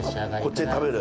こっちで食べる。